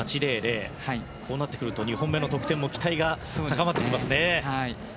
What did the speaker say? こうなってくると２本目の得点も期待が高まってきますね。